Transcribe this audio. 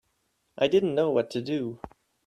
I didn't know what to do.